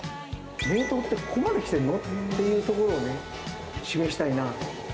冷凍ってここまで来てるのっていうところを示したいなぁと。